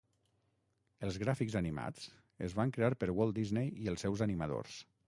Els gràfics animats es van crear per Walt Disney i els seus animadors.